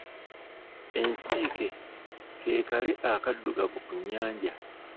Ensiike ke kale akaddugavu ku nnyanja.